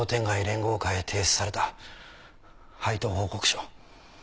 連合会へ提出された配当報告書